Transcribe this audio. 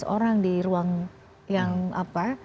orang di ruang yang apa